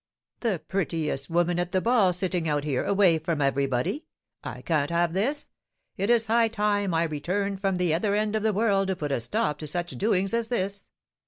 the prettiest woman at the ball sitting out here, away from everybody! I can't have this; it is high time I returned from the other end of the world to put a stop to such doings as this.